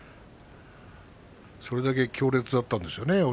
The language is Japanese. それだけ強烈だったんですね